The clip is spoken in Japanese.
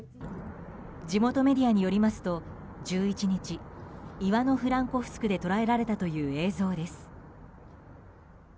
地元メディアによりますと１１日イワノ・フランコフスクで捉えられたという映像です。